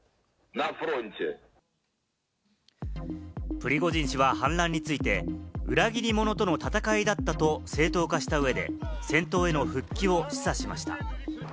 プリゴジン氏は反乱について、裏切り者との戦いだったと正当化した上で、戦闘への復帰を示唆しました。